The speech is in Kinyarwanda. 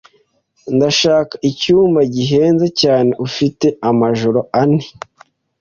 Ndashaka icyumba gihenze cyane ufite amajoro ane.